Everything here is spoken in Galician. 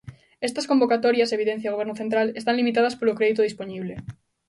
Estas convocatorias, evidencia o Goberno central, están "limitadas polo crédito dispoñible".